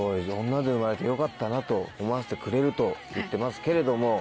「女で生まれてよかったなと思わせてくれる」と言ってますけれども。